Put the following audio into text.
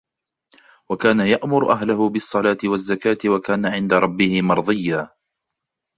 وكان يأمر أهله بالصلاة والزكاة وكان عند ربه مرضيا